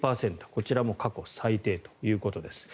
こちらも過去最低ということです。